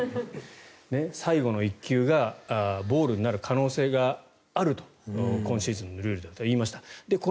最後の１球がボールになる可能性があると今シーズンのルールだとありました。